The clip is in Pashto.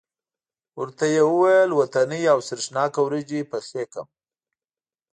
ورته یې وویل وطنۍ او سرېښناکه وریجې پخې کړم.